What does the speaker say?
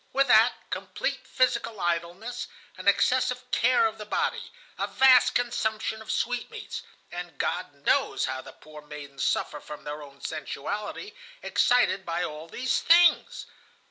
With that, complete physical idleness, an excessive care of the body, a vast consumption of sweetmeats; and God knows how the poor maidens suffer from their own sensuality, excited by all these things.